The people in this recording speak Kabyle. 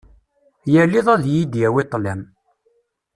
Yal iḍ ad yi-d-yawi ṭṭlam.